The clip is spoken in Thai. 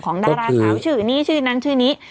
ดาราสาวชื่อนี้ชื่อนั้นชื่อนี้